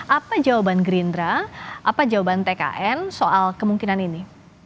apa jawaban gerindra apa jawaban tkn soal kemungkinan ini